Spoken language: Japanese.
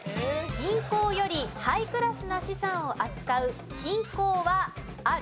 銀行よりハイクラスな資産を扱う金行はある？